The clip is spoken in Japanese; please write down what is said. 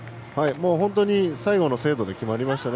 本当に最後の精度で決まりましたね。